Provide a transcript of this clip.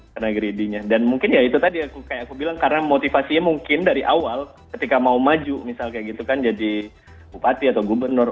karena greedinya dan mungkin ya itu tadi kayak aku bilang karena motivasinya mungkin dari awal ketika mau maju misal kayak gitu kan jadi bupati atau gubernur